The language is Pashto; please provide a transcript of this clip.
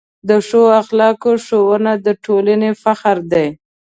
د ښو اخلاقو ښوونه د ټولنې فخر دی.